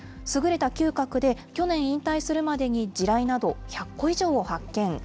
優れた嗅覚で去年、引退するまでに地雷など１００個以上を発見。